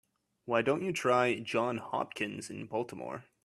Why don't you try Johns Hopkins in Baltimore?